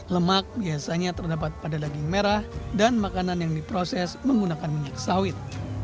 lemak biasanya terdapat pada daging merah dan makanan yang diproses menggunakan minyak sawit